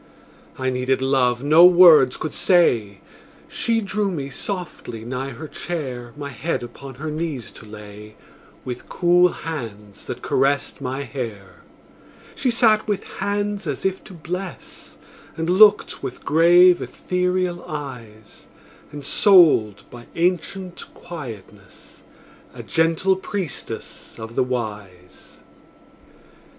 I needed love no words could say; She drew me softly nigh her chair, My head upon her knees to lay, With cool hands that caressed my hair. She sat with hands as if to bless, And looked with grave, ethereal eyes; Ensouled by ancient quietness, A gentle priestess of the Wise.